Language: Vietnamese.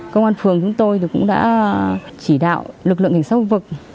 công an phường chúng tôi cũng đã chỉ đạo lực lượng hình sâu vực